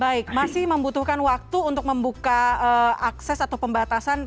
baik masih membutuhkan waktu untuk membuka akses atau pembatasan